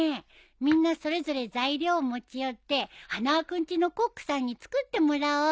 みんなそれぞれ材料持ち寄って花輪君ちのコックさんに作ってもらおうよ。